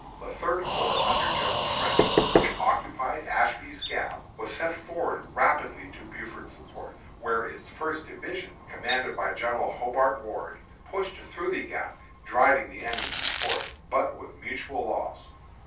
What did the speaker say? The Third Corps, under General French, which occupied Ashby's Gap, was sent forward rapidly to Buford's support, where its First Division, commanded by General Hobart Ward, pushed through the Gap, driving the enemy before it, but with mutual loss.